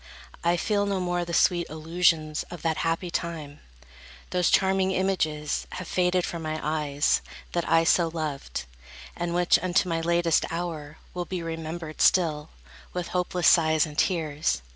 I feel no more the sweet illusions of That happy time; those charming images Have faded from my eyes, that I so loved, And which, unto my latest hour, will be Remembered still, with hopeless sighs and tears.